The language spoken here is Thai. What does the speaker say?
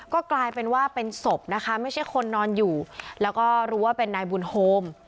ก็กลายเป็นว่าเป็นศพนะคะไม่ใช่คนนอนอยู่แล้วก็รู้ว่าเป็นนายบุญโฮม